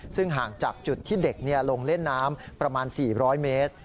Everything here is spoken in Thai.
ซึ่งห่างจากจุดที่เด็กลงเล่นน้ำประมาณ๔๐๐เมตร